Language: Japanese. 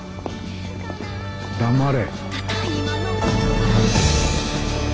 黙れ。